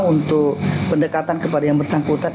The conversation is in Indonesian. untuk pendekatan kepada yang bersangkutan